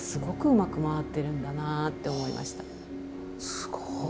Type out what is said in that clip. すごい。